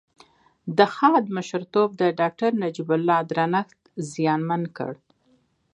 د خاد مشرتوب د داکتر نجيب الله درنښت زیانمن کړ